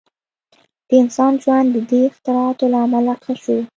• د انسان ژوند د دې اختراعاتو له امله ښه شو.